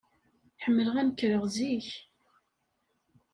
Ḥemmleɣ ad nekreɣ zik.